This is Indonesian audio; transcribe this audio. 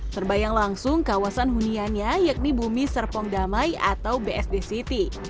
terbayang langsung kawasan huniannya yakni bumi serpong damai atau bsd city